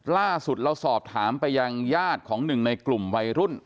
ล่าสุดเราสอบถามไปยังญาติของหนึ่งในกลุ่มวัยรุ่น